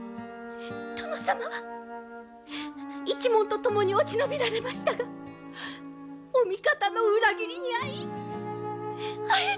殿様は一門と共に落ち延びられましたがお味方の裏切りに遭いあえ